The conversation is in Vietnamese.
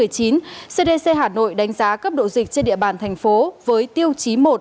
cdc hà nội đánh giá cấp độ dịch trên địa bàn thành phố với tiêu chí một